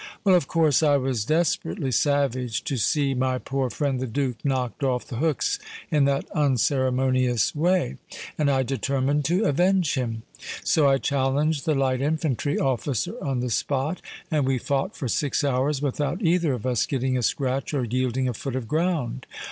Well, of course I was desperately savage to see my poor friend the Duke knocked off the hooks in that unceremonious way; and I determined to avenge him. So I challenged the light infantry officer on the spot; and we fought for six hours without either of us getting a scratch or yielding a foot of ground.